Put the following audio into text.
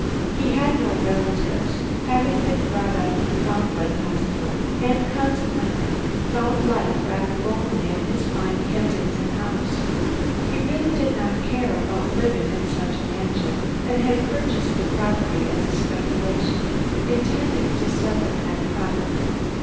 He had no relatives, having been brought up in a Foundling Hospital, and consequently, found life rather lonely in his fine Kensington house. He really did not care about living in such a mansion, and had purchased the property as a speculation, intending to sell it at a profit.